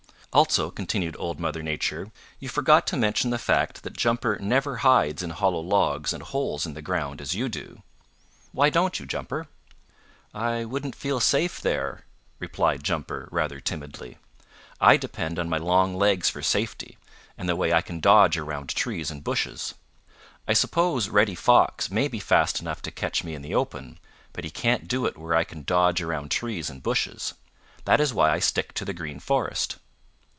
"Also," continued Old Mother Nature, "you forgot to mention the fact that Jumper never hides in hollow logs and holes in the ground as you do. Why don't you, Jumper?" "I wouldn't feel safe there," replied Jumper rather timidly. "I depend on my long legs for safety, and the way I can dodge around trees and bushes. I suppose Reddy Fox may be fast enough to catch me in the open, but he can't do it where I can dodge around trees and bushes. That is why I stick to the Green Forest.